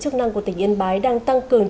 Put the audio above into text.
chức năng của tỉnh yên bái đang tăng cường